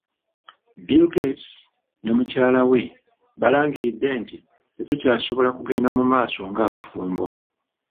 Bill Gates ne mukyala we balangiridde nti tetukyasobola kugenda mu maaso ng'abafumbo.